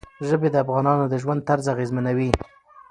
ژبې د افغانانو د ژوند طرز اغېزمنوي.